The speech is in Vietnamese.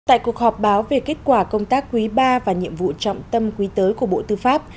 tại cuộc họp báo về kết quả công tác quý ba và nhiệm vụ trọng tâm quý tới của bộ tư pháp